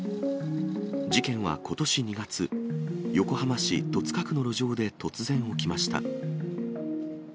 事件はことし２月、横浜市戸塚区の路上で突然起きました。